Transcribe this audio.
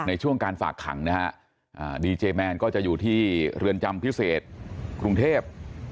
ในช่วงการฝากขังนะฮะดีเจแมนก็จะอยู่ที่เรือนจำพิเศษกรุงเทพ